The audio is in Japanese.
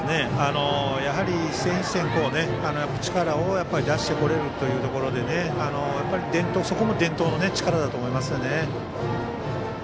やはり、一戦一戦力を出してこれるということでそこも伝統の力だと思いますね。